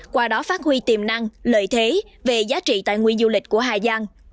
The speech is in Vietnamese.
qua đó phát huy tiềm năng lợi thế về giá trị tài nguyên du lịch của hà giang